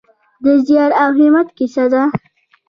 د زیار او همت کیسه ده.